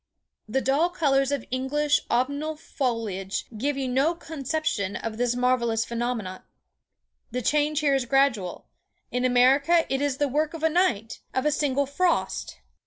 "The dull colours of English autumnal foliage give you no conception of this marvellous phenomenon. The change here is gradual; in America it is the work of a night—of a single frost!